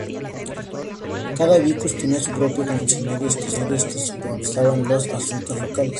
Cada vicus tenía su propio consejo de funcionarios que supervisaban los asuntos locales.